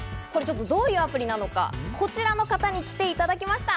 どういうアプリなのか、こちらの方に来ていただきました。